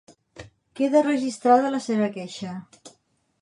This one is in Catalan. Queda registrada la seva queixa.